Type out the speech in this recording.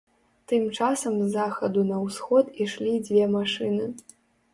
Тым часам з захаду на ўсход ішлі дзве машыны.